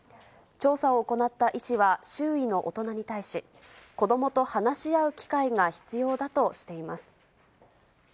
調査を行った医師は、周囲の大人に対し、子どもと話し合う機会が必要だとしています。